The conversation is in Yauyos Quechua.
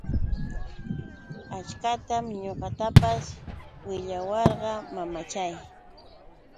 Achkatam ñuqatapis willawarqa mamachay.